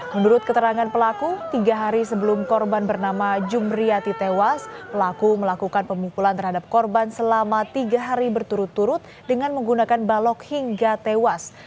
menurut keterangan pelaku tiga hari sebelum korban bernama jumriyati tewas pelaku melakukan pemukulan terhadap korban selama tiga hari berturut turut dengan menggunakan balok hingga tewas